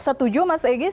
sistem sudah sangat baik